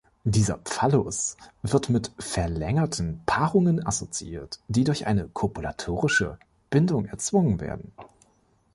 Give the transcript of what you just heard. Dieser Phallus wird mit verlängerten Paarungen assoziiert, die durch eine kopulatorische Bindung erzwungen werden.